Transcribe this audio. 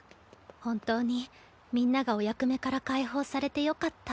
本当にみんながお役目から解放されてよかった。